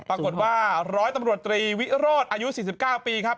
ปรากฏว่าร้อยตำรวจตรีวิโรธอายุ๔๙ปีครับ